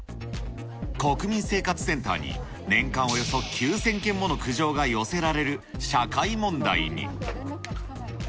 国民生活センターに、年間およそ９０００件もの苦情が寄せられる社会問題に。